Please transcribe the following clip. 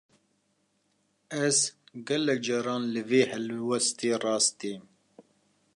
Ez, gelek caran li vê helwestê rast têm